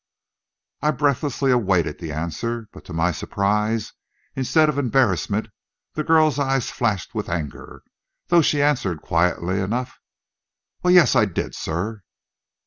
I breathlessly awaited the answer, but to my surprise, instead of embarrassment the girl's eyes flashed with anger, though she answered quietly enough, "Well, yes, I did, sir."